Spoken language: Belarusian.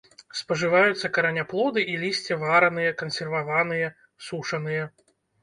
Спажываюцца караняплоды і лісце вараныя, кансерваваныя, сушаныя.